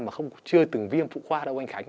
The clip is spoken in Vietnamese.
mà chưa từng viêm phụ khoa đâu anh khánh